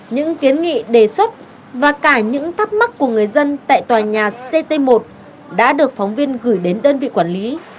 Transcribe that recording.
những kiến nghị đề xuất và cả những thắc mắc của người dân tại tòa nhà ct một đã được phóng viên gửi đến đơn vị quản lý